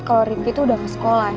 kalo rifki tuh udah ke sekolah